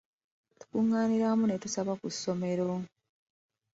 Tukungaanira wamu ne tusaba ku ssomero.